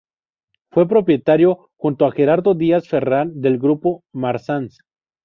Fue copropietario, junto a Gerardo Díaz Ferrán del Grupo Marsans.